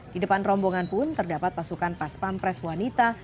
di depan rombongan pun terdapat pasukan paspampres wanita